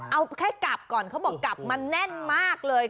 เอาแค่กลับก่อนเขาบอกกลับมาแน่นมากเลย